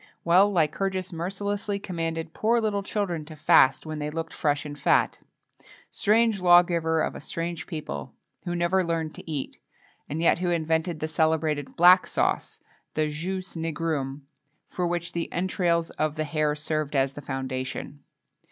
Well, Lycurgus mercilessly commanded poor little children to fast when they looked fresh and fat.[XXII 5] Strange law giver of a strange people, who never learned to eat, and yet who invented the celebrated "black sauce," the jus nigrum, for which the entrails of the hare served as the foundation.